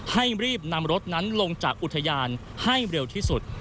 ให้รีบนำรถนั้นลงจากอุทยานให้เร็วที่สุด